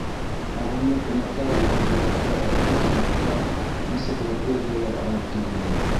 Погонлы ҡунаҡтар иһә бүләккә әҙәби китаптар, энциклопедиялар алып килгәйне.